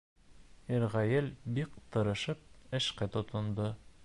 Иргәйел бик тырышып эшкә тотондо.